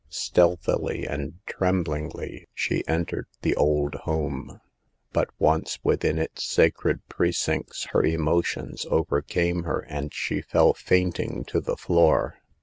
Stealthily and tremblingly she entered the old home, but once within its sacred pre cincts her emotions overcame her and she fell fainting to the floor.